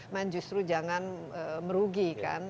memang justru jangan merugi kan